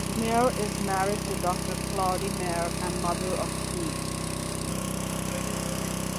Meyer is married to Doctor Claude Meyer and mother of three.